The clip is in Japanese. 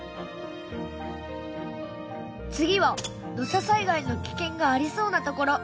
次は土砂災害の危険がありそうな所。